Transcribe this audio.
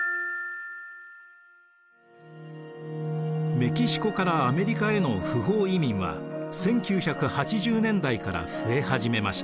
メキシコからアメリカへの不法移民は１９８０年代から増え始めました。